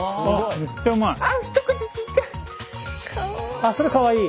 あっそれかわいい！